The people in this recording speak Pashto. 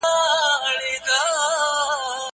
زه تکړښت کړي دي!!